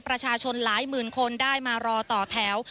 ประชาชนหลายหมื่นคนได้มารอต่อแถว